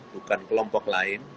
bukan kelompok lain